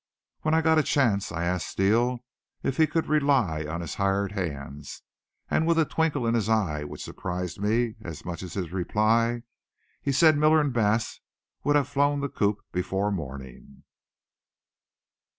When I got a chance I asked Steele if he could rely on his hired hands, and with a twinkle in his eye which surprised me as much as his reply, he said Miller and Bass would have flown the coop before morning.